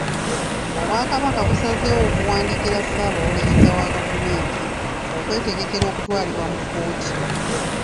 Obwakabaka busazeewo okuwandiikira Ssaabawolereza wa gavumenti okwetegekera okutwalibwa mu kkooti.